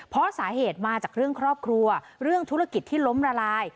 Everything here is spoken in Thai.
เพราะสาเหตุมาจากเรื่องครอบครัวเรื่องธุรกิจที่ล้มละลาย